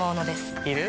いる？